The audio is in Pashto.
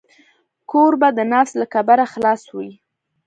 کوربه د نفس له کبره خلاص وي.